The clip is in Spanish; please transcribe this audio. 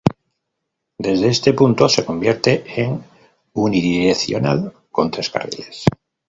Desde este punto se convierte en unidireccional con tres carriles.